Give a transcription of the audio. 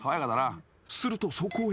［するとそこへ］